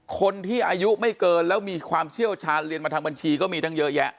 คนที่อายุไม่เกินแล้วมีความเชี่ยวชาญเรียนมาทางบัญชีก็มีตั้งเยอะแยะ